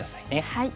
はい。